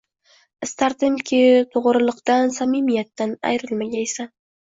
Istardimki, to'g'riliqdan, samimiyatdan ayrilmagaysan.